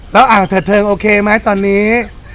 แล้วอ่างเถิดเทิงโอเคไหมตอนนี้